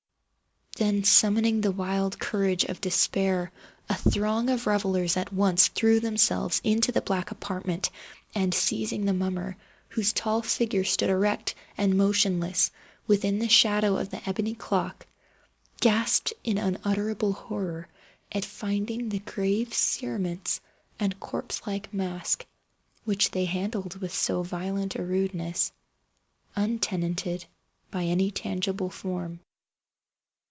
Then, summoning the wild courage of despair, a throng of the revellers at once threw themselves into the black apartment, and, seizing the mummer, whose tall figure stood erect and motionless within the shadow of the ebony clock, gasped in unutterable horror at finding the grave cerements and corpse like mask, which they handled with so violent a rudeness, untenanted by any tangible form.